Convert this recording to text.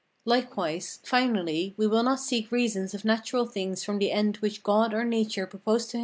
Likewise, finally, we will not seek reasons of natural things from the end which God or nature proposed to himself in their creation (i.